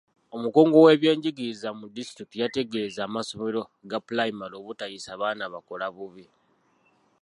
Omukungu w'ebyenjigiriza mu disitulikiti yategeeza amasomero ga pulayimale obutayisa baana bakola bubi.